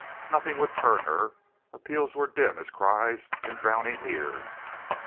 Nothing would turn her; appeals were dim as cries in drowning ears.